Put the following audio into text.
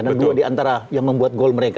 dan dua di antara yang membuat gol mereka